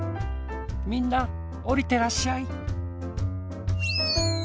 みんなおりてらっしゃい。